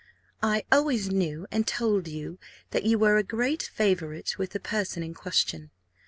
I always knew, and told you, that you were a great favourite with the person in question.